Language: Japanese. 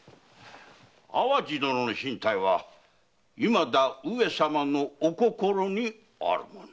淡路殿の進退は未だ上様の御心にあるもの。